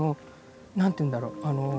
何ていうんだろう